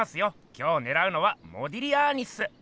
今日ねらうのは「モディリアーニ」っす。